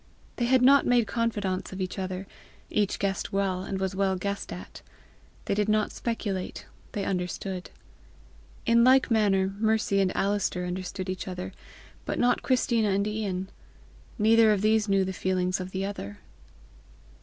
They had not made confidantes of each other, each guessed well, and was well guessed at. They did not speculate; they understood. In like manner, Mercy and Alister understood each other, but not Christina and Ian. Neither of these knew the feelings of the other.